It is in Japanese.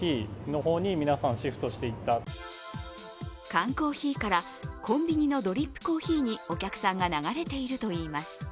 缶コーヒーからコンビニのドリップコーヒーにお客さんが流れているといいます。